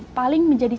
misal air yang blue